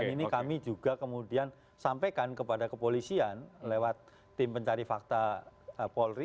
dan ini kami juga kemudian sampaikan kepada kepolisian lewat tim pencari fakta polri